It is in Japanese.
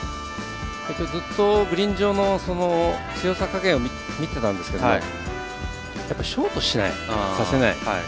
ずっとグリーン上の強さ加減を見てたんですけどショートしない、させない。